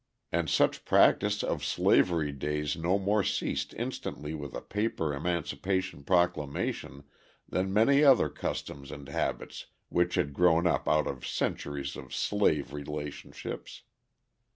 And such practice of slavery days no more ceased instantly with a paper Emancipation Proclamation than many other customs and habits which had grown up out of centuries of slave relationships.